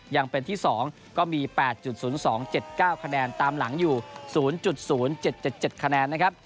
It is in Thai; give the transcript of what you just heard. ยังเป็นที่๒ก็มี๘๐๒๗๙คะแนนตามหลังอยู่๐๐๗๗คะแนนนะครับ